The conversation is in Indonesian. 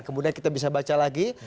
kemudian kita bisa baca lagi